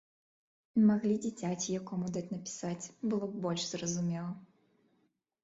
Маглі дзіцяці якому даць напісаць, было б больш зразумела.